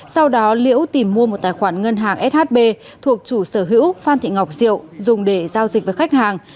sau đó liễu tìm mua một tài khoản ngân hàng shb thuộc chủ sở hữu phan thị ngọc diệu dùng để giao dịch với khách hàng